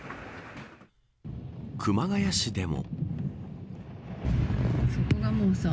熊谷市でも。